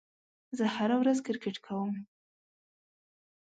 زه هره ورځ کرېکټ کوم.